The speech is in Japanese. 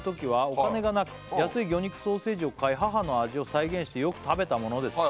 「お金がなく安い魚肉ソーセージを買い」「母の味を再現してよく食べたものです」